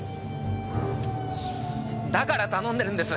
だから頼んでるんです！